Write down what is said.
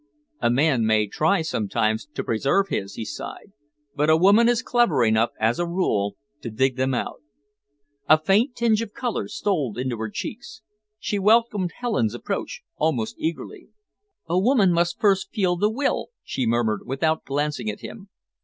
"A man may try sometimes to preserve his," he sighed, "but a woman is clever enough, as a rule, to dig them out." A faint tinge of colour stole into her cheeks. She welcomed Helen's approach almost eagerly. "A woman must first feel the will," she murmured, without glancing at him.